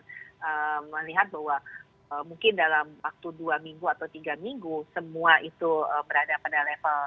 kita nanti akan melihat bahwa mungkin dalam waktu dua minggu atau tiga minggu semua itu berada pada level satu dan stabil ya